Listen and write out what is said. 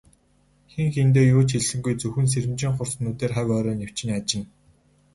Хэн хэндээ юу ч хэлсэнгүй, зөвхөн сэрэмжийн хурц нүдээр хавь ойроо нэвчин ажна.